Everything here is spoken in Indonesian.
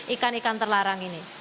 ikan ikan terlarang ini